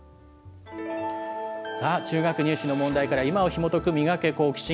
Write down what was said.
中学入試の問題から今をひもとく、ミガケ、好奇心！